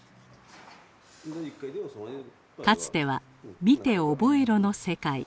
かつては見て覚えろの世界。